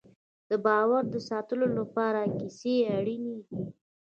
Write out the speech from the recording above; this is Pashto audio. د باور د ساتلو لپاره کیسې اړینې دي.